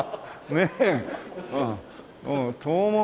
ねえ。